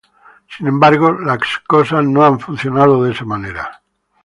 Sin embargo, las cosas no han funcionado de esa manera.